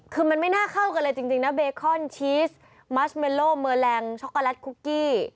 คือมันไม่น่าเข้ากันเลยจริงนะเบคอนชีสมัสเมโลเมอร์แรงช็อกโกแลตคุกกี้